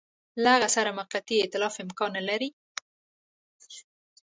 له هغه سره موقتي ایتلاف امکان نه لري.